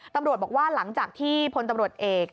ตำรวจบอกว่าหลังจากที่พลตำรวจเอก